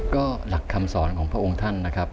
ก็หลักคำสอนของพระองค์ท่านนะครับ